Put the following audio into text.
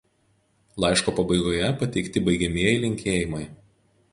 Laiško pabaigoje pateikti baigiamieji linkėjimai.